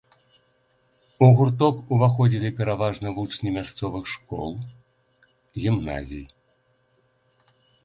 У гурток уваходзілі пераважна вучні мясцовых школ, гімназій.